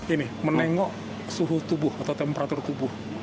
ini menengok suhu tubuh atau temperatur tubuh